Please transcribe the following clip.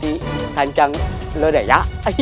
di sancang lodaya